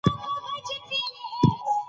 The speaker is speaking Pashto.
د پښتو تعلیم د ټولو حق دی.